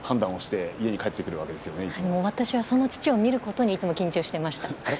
私は、その父を見るのにいつも緊張していました。